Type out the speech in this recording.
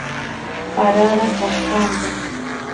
parara kaskanta